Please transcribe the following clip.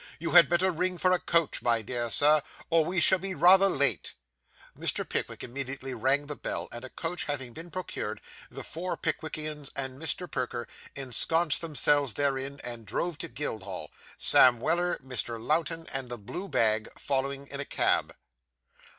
You had better ring for a coach, my dear sir, or we shall be rather late.' Mr. Pickwick immediately rang the bell, and a coach having been procured, the four Pickwickians and Mr. Perker ensconced themselves therein, and drove to Guildhall; Sam Weller, Mr. Lowten, and the blue bag, following in a cab.